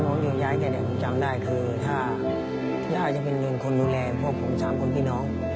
ตอนผมอยู่ยายแค่เดี๋ยวผมจำได้คือถ้ายายจะเป็นคนดูแลพวกผม๓คนพี่น้อง